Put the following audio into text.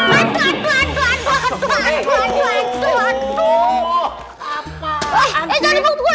eh jangan dibongkok